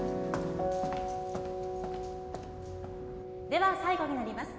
では最後になります。